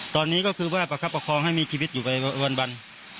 ตอนนี้เป็นบอกให้มีชีวิตอยู่ไปกว่าวันบรรณ